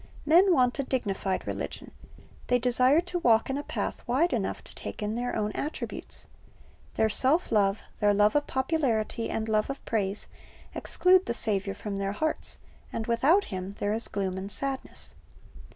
Men want a dignified religion. They desire to walk in a path wide enough to take in their own attributes. Their self love, their love of popularity and love of praise, exclude the Saviour from their hearts, and without Him there is gloom and sadness.